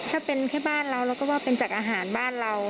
ถ้าเป็นแค่บ้านเราเราก็ว่าเป็นจากอาหารบ้านเรา